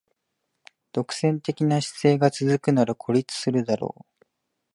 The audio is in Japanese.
独占的な姿勢が続くなら孤立するだろう